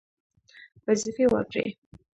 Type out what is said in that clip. وظیفې ورکړې.